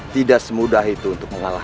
kau akan menyerah